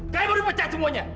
kalian baru pecat semuanya